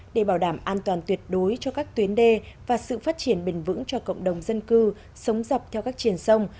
để bảo đảm an toàn tuyệt đối cho các tuyến đê và sự phát triển bền vững cho cộng đồng dân cư sống dọc theo các triển sông